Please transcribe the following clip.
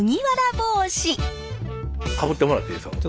かぶってもらっていいですか？